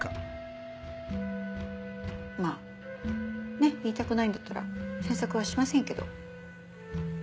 まぁね言いたくないんだったら詮索はしませんけど。